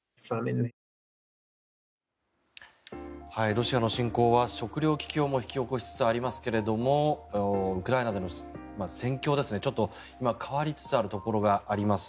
ロシアの侵攻は食糧危機をも引き起こしつつありますがウクライナでの戦況ですねちょっと今変わりつつあるところがあります。